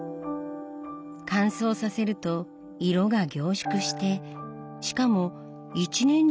乾燥させると色が凝縮してしかも一年中染めが楽しめるの。